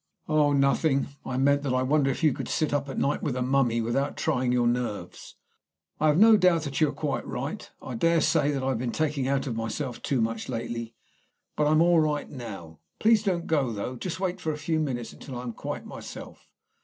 "Oh, nothing. I meant that I wonder if you could sit up at night with a mummy without trying your nerves. I have no doubt that you are quite right. I dare say that I have been taking it out of myself too much lately. But I am all right now. Please don't go, though. Just wait for a few minutes until I am quite myself."